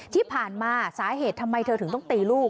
ที่ผ่านมาสาเหตุทำไมเธอถึงต้องตีลูก